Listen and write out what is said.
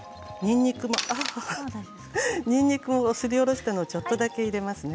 にんにくをすりおろしたのをちょっとだけ入れますね。